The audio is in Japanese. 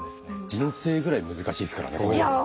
人生ぐらい難しいですからねこのゲーム。